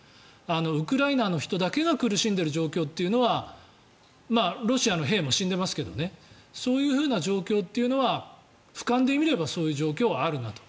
ウクライナの人だけが苦しんでいる状況というのはロシアの兵も死んでいますがそういう状況というのがふかんで見ればそういう状況はあるなと。